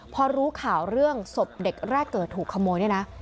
พอรู้ข่าวเรื่องศพเด็กแรกเกิดถูกขโมยเนี่ยนะ